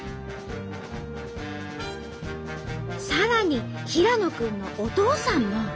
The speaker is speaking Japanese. さらに平野君のお父さんも。